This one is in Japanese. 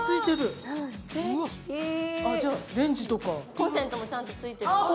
コンセントもちゃんとついてるんです。